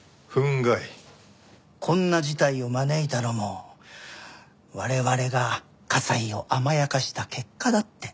こんな事態を招いたのも我々が加西を甘やかした結果だって。